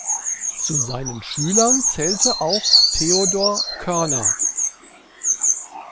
Zu seinen Schülern zählte auch Theodor Körner.